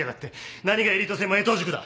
何がエリート専門「江藤塾」だ！